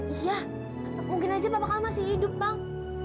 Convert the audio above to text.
iya mungkin aja bapak kamu masih hidup bang